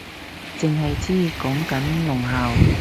剩係知講緊聾校